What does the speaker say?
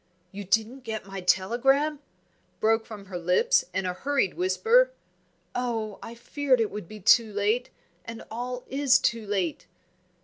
"You didn't get my telegram?" broke from her lips, in a hurried whisper. "Oh! I feared it would be too late, and all is too late."